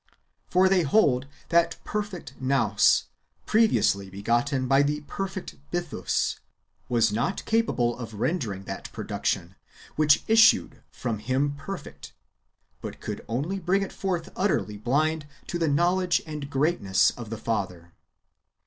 For [they hold] that perfect Nous, previously begotten by the perfect Bythus, was not capable of rendering that production which issued from him perfect, but [could only bring it forth] utterly blind to the knowledge and greatness of the Father.